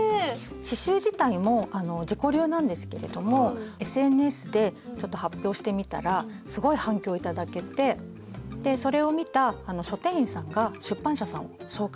刺しゅう自体も自己流なんですけれどもＳＮＳでちょっと発表してみたらすごい反響頂けてそれを見た書店員さんが出版社さんを紹介して下さって。